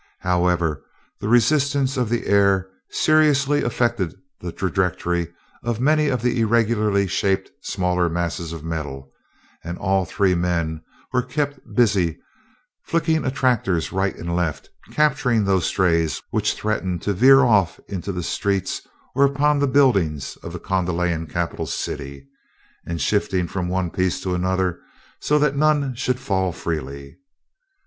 However, the resistance of the air seriously affected the trajectory of many of the irregularly shaped smaller masses of metal, and all three men were kept busy flicking attractors right and left; capturing those strays which threatened to veer off into the streets or upon the buildings of the Kondalian capital city, and shifting from one piece to another so that none should fall freely.